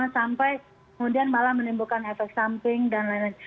sampai kemudian malah menimbulkan efek samping dan lain lain